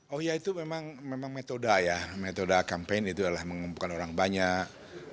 oh ya itu memang metode ya metode campaign itu adalah mengumpulkan orang banyak